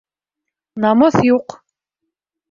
Намыҫ юҡ!